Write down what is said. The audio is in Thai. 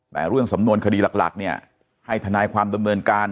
แต่เรื่องสำนวนคดีหลักเนี่ยให้ทนายความดำเนินการ